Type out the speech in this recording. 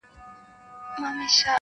څومره ښکلې دي کږه توره مشوکه-